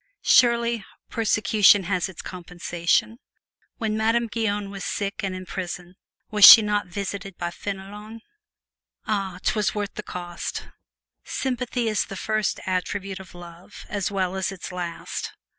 Surely, persecution has its compensation! When Madame Guyon was sick and in prison, was she not visited by Fenelon? Ah, 'twas worth the cost. Sympathy is the first attribute of love as well as its last.